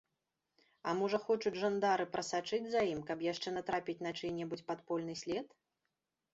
А можа, хочуць жандары прасачыць за ім, каб яшчэ натрапіць на чый-небудзь падпольны след?